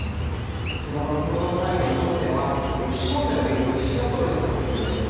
その後の共同会見の焦点は歴史問題を巡る岸田総理の発言です。